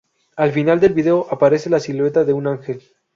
Al final del video, aparece la silueta de un ángel.